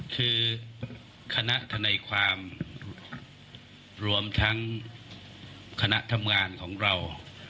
คือคณะทนายความรวมทั้งคณะทำงานของเรา